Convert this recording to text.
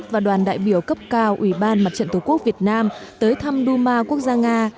và đoàn đại biểu cấp cao ủy ban mặt trận tổ quốc việt nam tới thăm duma quốc gia nga